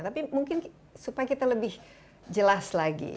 tapi mungkin supaya kita lebih jelas lagi